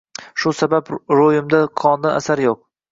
Shu sabab ro’yimda qondan asar yo’q.